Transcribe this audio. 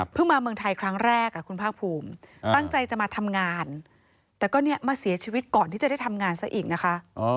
มาเมืองไทยครั้งแรกคุณภาคภูมิตั้งใจจะมาทำงานแต่ก็เนี่ยมาเสียชีวิตก่อนที่จะได้ทำงานซะอีกนะคะ